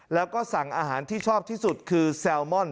แล้วก็สั่งอาหารที่ชอบที่สุดคือแซลมอน